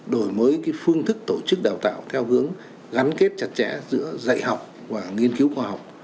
đổi mới phương thức tổ chức đào tạo theo hướng gắn kết chặt chẽ giữa dạy học và nghiên cứu khoa học